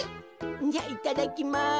じゃいただきます。